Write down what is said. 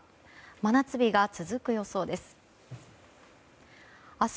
真夏日が続く予想です。